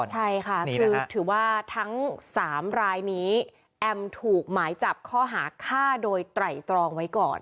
ใช่ค่ะคือถือว่าทั้ง๓รายนี้แอมถูกหมายจับข้อหาฆ่าโดยไตรตรองไว้ก่อน